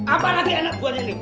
apalagi anak buah ini